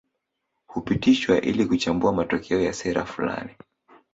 Hupitishwa ili kuchambua matokeo ya sera fulani